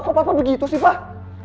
kok papa begitu sih pak